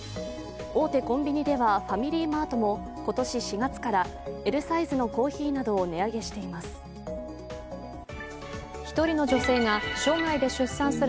大手コンビニではファミリーマートも今年４月からＬサイズのコーヒーなどを値上げしています。